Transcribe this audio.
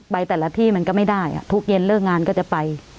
แต่ละที่มันก็ไม่ได้ทุกเย็นเลิกงานก็จะไป